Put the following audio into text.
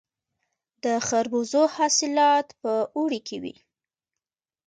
د خربوزو حاصلات په اوړي کې وي.